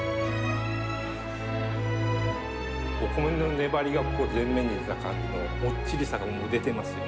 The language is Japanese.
お米の粘りが全面に出た感じの、もっちりさが、もう出てますよね。